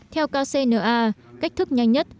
theo kcna cách thức nhanh nhất